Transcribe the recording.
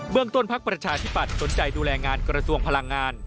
พักประชาธิปัตย์สนใจดูแลงานกระทรวงพลังงาน